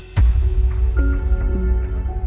iya pak surya